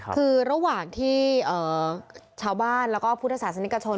คือระหว่างที่ชาวบ้านแล้วก็พุทธศาสนิกชน